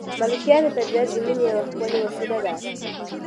ملکیار ته طبیعت د مینې یوه ښکلې وسیله ده.